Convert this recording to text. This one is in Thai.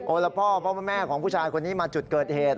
แล้วพ่อพ่อแม่ของผู้ชายคนนี้มาจุดเกิดเหตุ